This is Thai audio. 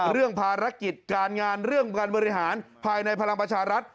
เรื่องภารกิจการงานเรื่องการบริหารภายในพลังประชารัฐ